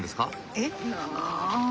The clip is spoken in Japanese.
えっ？